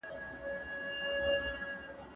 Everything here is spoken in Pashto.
موږ ته په کار ده چي نړۍ ته د دوستۍ لاس ورکړو.